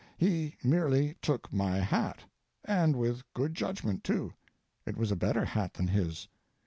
He merely took my hat. And with good judgment, too—it was a better hat than his.